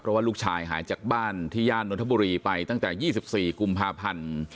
เพราะว่าลูกชายหายจากบ้านที่ย่านนทบุรีไปตั้งแต่๒๔กุมภาพันธ์